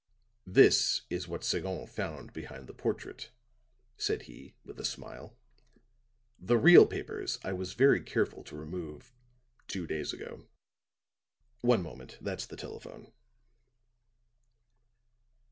"This is what Sagon found behind the portrait," said he, with a smile. "The real papers I was very careful to remove two days ago. One moment that's the telephone."